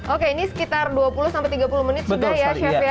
oke ini sekitar dua puluh sampai tiga puluh menit sudah ya chef ya